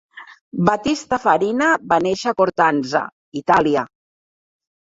Battista Farina va néixer a Cortanze, Itàlia.